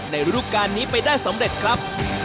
รูปการณ์นี้ไปได้สำเร็จครับ